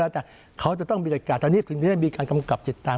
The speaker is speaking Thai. แต่เขาจะต้องมีรักษาตอนนี้คุณจะได้มีการกำกับติดตาม